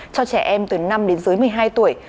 cho trẻ em từ năm đến dưới một mươi hai tuổi